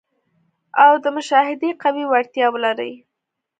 او د مشاهدې قوي وړتیا ولري.